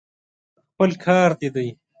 خپل کار دې دی.